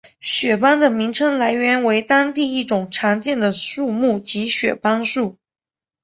雪邦的名称来源为当地一种常见的树木即雪邦树。